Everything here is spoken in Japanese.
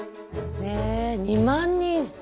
え２万人。